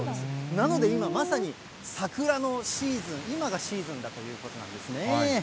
なので今、まさに桜のシーズン、今がシーズンだということなんですね。